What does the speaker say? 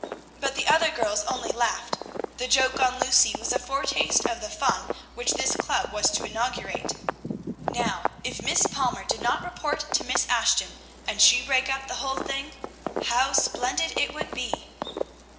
But the other girls only laughed; the joke on Lucy was a foretaste of the fun which this club was to inaugurate. Now, if Miss Palmer did not report to Miss Ashton, and she break up the whole thing, how splendid it would be!